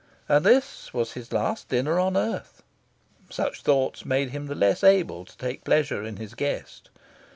And this was his last dinner on earth. Such thoughts made him the less able to take pleasure in his guest.